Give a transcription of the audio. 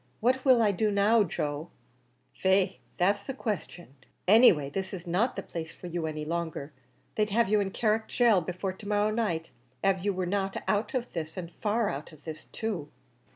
What will I do now, Joe?" "Faix, that's the question; any way, this is not the place for you any longer; they'd have you in Carrick Gaol before to morrow night, av you were not out of this, an' far out of this too."